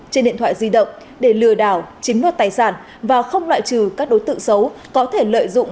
trên điện thoại di động để lừa đảo chiếm đoạt tài sản và không loại trừ các đối tượng xấu có thể lợi dụng